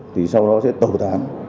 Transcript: thì sau đó sẽ tẩu thán